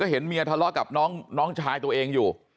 เห็นเมียทะเลาะกับน้องชายตัวเองอยู่